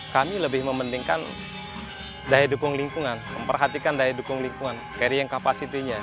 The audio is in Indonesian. kami lebih mementingkan daya dukung lingkungan memperhatikan daya dukung lingkungan carrier capacity nya